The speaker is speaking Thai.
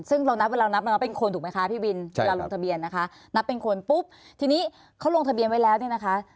ซึ่งเรานับเวลานับมันว่าเป็นคนถูกไหมคะพี่บินเวลาลงทะเบียนนะคะนับเป็นคนปุ๊บทีนี้เขาลงทะเบียนไว้แล้วเนี่ยนะคะ